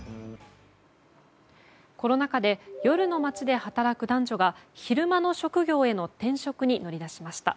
コロナ禍で夜の街で働く男女が昼間の職業への転職に乗り出しました。